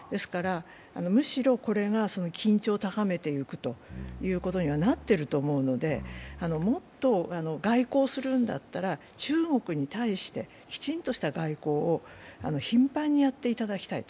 むしろこれは、緊張を高めていくことにはなってると思うので、もっと外交するんだったら、中国に対してきちんとした外交を頻繁にやっていただきたい。